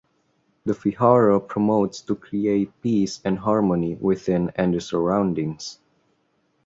The Vihara promotes to create peace and harmony within and the surroundings.